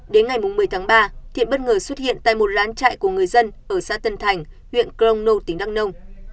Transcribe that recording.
đến ngày một mươi tháng ba thiện bất ngờ xuất hiện tại một rán chạy của người dân ở xã tân thành huyện crono tỉnh đăng nông